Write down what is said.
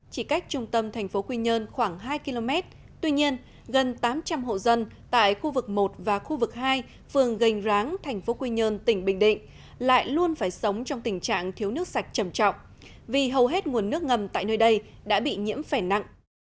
chỉ cách trung tâm thành phố quy nhơn khoảng hai km tuy nhiên gần tám trăm linh hộ dân tại khu vực một và khu vực hai phường gành ráng tp quy nhơn tỉnh bình định lại luôn phải sống trong tình trạng thiếu nước sạch chầm trọng vì hầu hết nguồn nước ngầm tại nơi đây đã bị nhiễm phẻ nặng